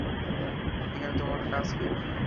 এখানে তোমার কী কাজ!